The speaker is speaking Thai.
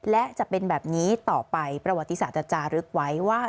และจะเป็นแบบนี้ต่อไปประวัติศาสตร์จะจารึกไว้ว่า